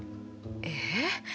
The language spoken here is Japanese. ええ？